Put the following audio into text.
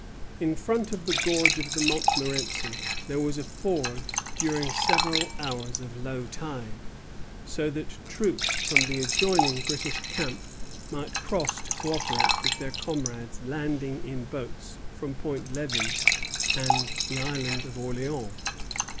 In front of the gorge of the Montmorenci there was a ford during several hours of low tide, so that troops from the adjoining English camp might cross to co operate with their comrades landing in boats from Point Levi and the Island of Orleans.